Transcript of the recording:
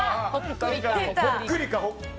ほっくりか。